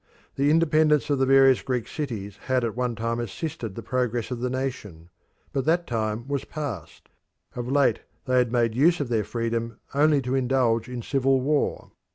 The independence of the various Greek cities had at one time assisted the progress of the nation. But that time was past. Of late they had made use of their freedom only to indulge in civil war.